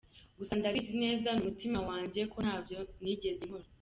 Gusa ndabizi neza n’umutima wanjye ko ntabyo nigeze nkora.